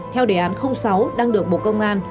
theo đề án sáu đăng được bộ công an